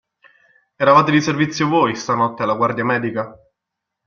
Eravate di servizio voi, stanotte, alla Guardia Medica?